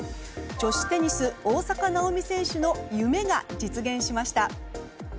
女子テニス大坂なおみ選手の夢が実現しました。